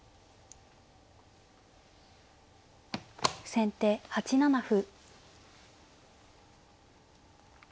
先手８七歩。